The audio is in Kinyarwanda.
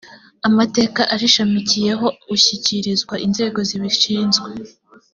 amateka arishamikiyeho ushyikirizwa inzego zibishinzwe